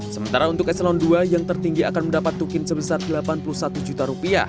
sementara untuk eselon ii yang tertinggi akan mendapat tukin sebesar rp delapan puluh satu juta